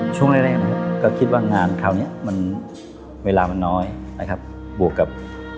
ช่วงแรกก็คิดว่างานคราวนี้เวลามันน้อยบวกกับ